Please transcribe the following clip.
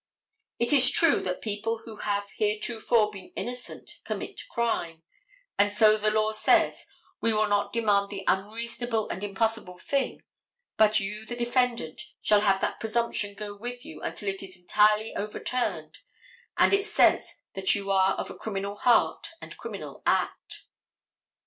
It is true that people who have heretofore been innocent commit crime, and so the law says, "We will not demand the unreasonable and impossible thing, but you, the defendant, shall have that presumption go with you until it is entirely overturned and it says that you are of a criminal heart and criminal act."